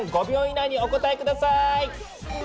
５秒以内にお答え下さい！